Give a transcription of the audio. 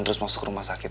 terus masuk rumah sakit